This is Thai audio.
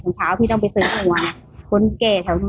ขนเช้าพี่ต้องไปซื้อหัวนะคอนเกย์ที่แค่เว้นเจ้านี่